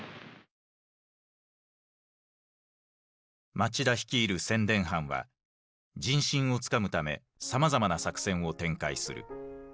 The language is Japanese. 町田率いる宣伝班は人心をつかむためさまざまな作戦を展開する。